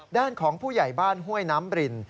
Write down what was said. ด้านของผู้ใหญ่บ้านห้วยน้ำริน